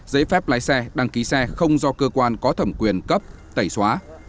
giấy phép lái xe đăng ký xe không do cơ quan có thẩm quyền cấp tẩy xóa